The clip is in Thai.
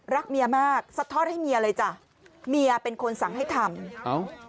รักเมียมากสะทอดให้เมียเลยจ้ะเมียเป็นคนสั่งให้ทำ